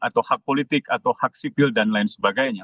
atau hak politik atau hak sipil dan lain sebagainya